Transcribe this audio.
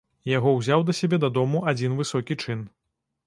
Яго ўзяў да сябе дадому адзін высокі чын.